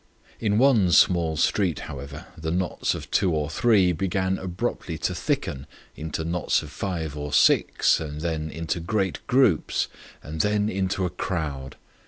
In one small street, however, the knots of two or three began abruptly to thicken into knots of five or six and then into great groups and then into a crowd.